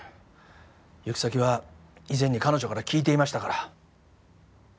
行き先は以前に彼女から聞いていましたから。